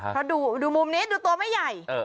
เพราะดูมุมนี้ดูตัวไม่ใหญ่